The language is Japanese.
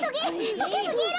とけすぎる。